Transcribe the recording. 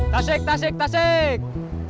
tasik tasik tasik